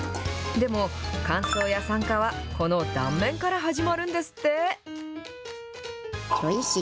でも、乾燥や酸化はこの断面から始まるんですって。